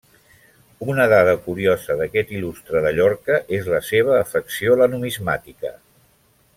Una dada curiosa d'aquest il·lustre de Llorca és la seva afecció a la numismàtica.